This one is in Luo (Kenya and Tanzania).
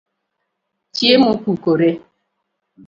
Chiemo opukore